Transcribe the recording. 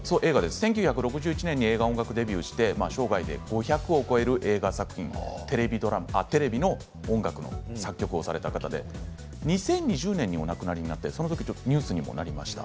１９６１年に映画音楽デビューして生涯５００を超える映画作品テレビの音楽を手がけた作曲家の方で２０２０年にお亡くなりになってその時にもニュースになりました。